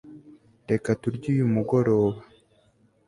Reka turye uyu mugoroba